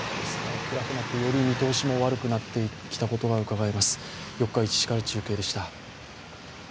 暗くなってより見通しも悪くなってきたことがうかがえます。